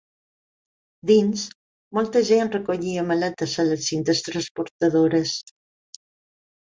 Dins, molta gent recollia maletes a les cintes transportadores.